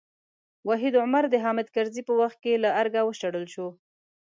وحید عمر د حامد کرزي په وخت کې له ارګه وشړل شو.